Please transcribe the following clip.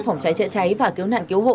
phòng cháy chữa cháy và cứu nạn cứu hộ